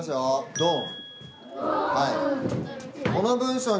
ドン！